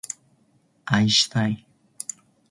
愛したい